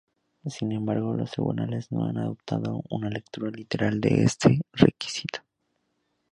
Sin embargo, los tribunales no han adoptado una lectura literal de este requisito.